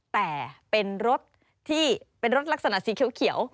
แต่เป็นรถที่เป็นรถลักษณะสีเขียว